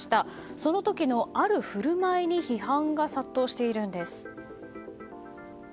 その時のある振る舞いに批判が殺到しているんです。